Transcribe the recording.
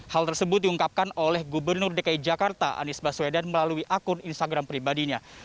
hal tersebut diungkapkan oleh gubernur dki jakarta anies baswedan melalui akun instagram pribadinya